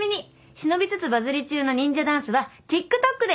忍びつつバズり中の忍者ダンスはＴｉｋＴｏｋで。